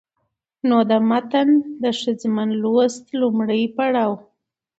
نو د متن د ښځمن لوست لومړى پړاو